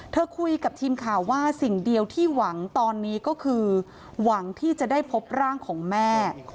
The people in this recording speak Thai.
คุยกับทีมข่าวว่าสิ่งเดียวที่หวังตอนนี้ก็คือหวังที่จะได้พบร่างของแม่